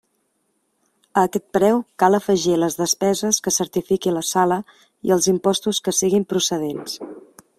A aquest preu cal afegir les despeses que certifiqui la sala i els impostos que siguin procedents.